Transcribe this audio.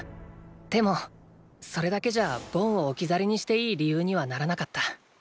でもそれだけじゃボンを置き去りにしていい理由にはならなかった。